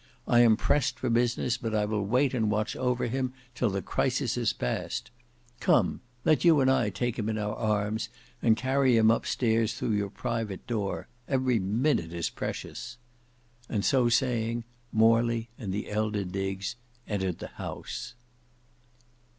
I am pressed for business, but I will wait and watch over him till the crisis is passed. Come, let you and I take him in our arms, and carry him up stairs through your private door. Every minute is precious." And so saying, Morley and the elder Diggs entered the house.